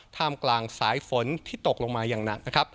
ท่ามกลางสายฝนที่ตกลงมาอย่างหนักนะครับ